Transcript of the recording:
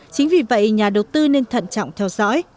chính vì vậy nhà đầu tư nên thận trọng theo dõi